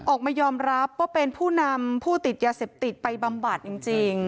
ออกมายอมรับว่าเป็นผู้นำผู้ติดยาเสพติดไปบำบัดจริง